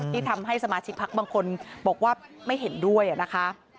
ที่ทำให้สมาชิกพักบางคนบอกว่าไม่เห็นด้วยนะคะ